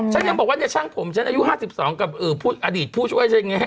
ฉันยังบอกว่าเนี่ยช่างผมฉันอายุ๕๒กับอดีตผู้ช่วยฉันไง